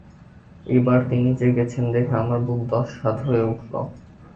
এইবার তিনি জেগেছেন দেখে আমার বুক দশহাত হয়ে উঠল।